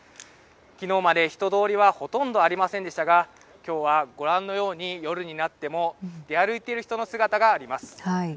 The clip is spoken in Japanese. きのうまで人通りはほとんどありませんでしたがきょうはご覧のように夜になっても出歩いている人の姿があります。